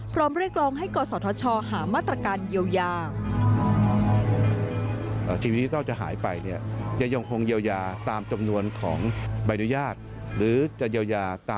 พร้อมเรียกรองให้กรสภชหามาตรการเยลยา